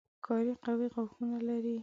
ښکاري قوي غاښونه لري.